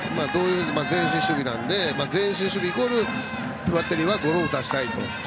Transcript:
前進守備なので前進守備イコールバッテリーはゴロを打たせたいと。